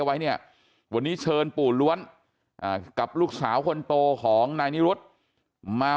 ไว้เนี่ยวันนี้เชิญปู่ล้วนกับลูกสาวคนโตของนายนิรุธมา